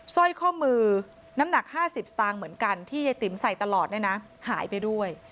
สร้อยข้อมือน้ำหนัก๕๐สตางค์เหมือนกันที่ยายติ๋มใส่ตลอดเนี่ยนะหายไปด้วย